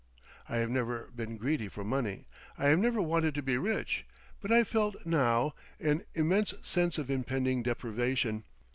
I have never been greedy for money, I have never wanted to be rich, but I felt now an immense sense of impending deprivation.